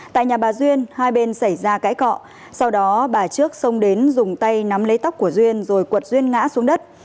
tại nhà bà duyên hai bên xảy ra cãi cọ sau đó bà trước xông đến dùng tay nắm lấy tóc của duyên rồi quật duyên ngã xuống đất